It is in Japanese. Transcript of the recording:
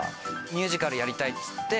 ミュージカルやりたいっつって。